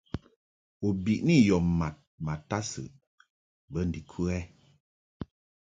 U biʼni yɔ mad ma tadsɨʼ bə ndikə ?